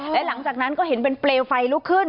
และหลังจากนั้นเป็นเปลวไฟรุกขึ้น